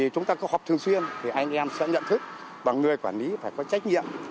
chúng ta có họp thường xuyên thì anh em sẽ nhận thức và người quản lý phải có trách nhiệm